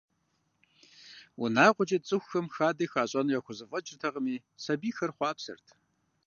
Унагъуэкӏэ цӏыхухэм хадэ хащӏэну яхузэфӏэкӏыртэкъыми, сабийхэр хъуапсэрт.